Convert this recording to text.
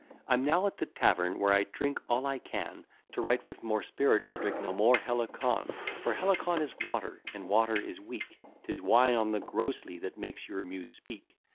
I'm now at the tavern, where I drink all I can, To write with more spirit; I'll drink no more Helicon; For Helicon is water, and water is weak; 'Tis wine on the gross lee, that makes your Muse speak.